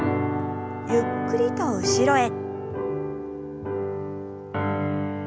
ゆっくりと後ろへ。